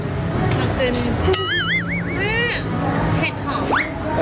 อุ๊ยเห็นหอม